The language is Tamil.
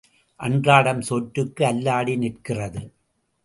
அன்றாடம் சோற்றுக்கு அல்லாடி நிற்கிறது.